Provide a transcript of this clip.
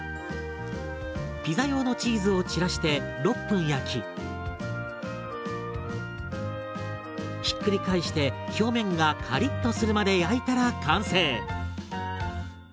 ピザ用のチーズをちらして６分焼きひっくり返して表面がカリッとするまで焼いたら完成。